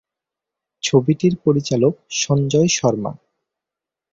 ছবিটির পরিচালক সঞ্জয় শর্মা।